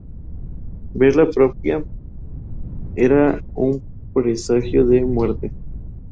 Ver la propia era un presagio de muerte.